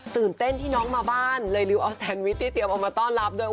ตื่นเต้นที่น้องมาบ้านเลยริวออสแซนวิชที่เตรียมออกมาต้อนรับด้วย